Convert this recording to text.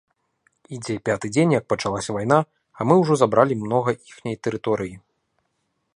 Ідзе пяты дзень, як пачалася вайна, а мы ўжо забралі многа іхняй тэрыторыі.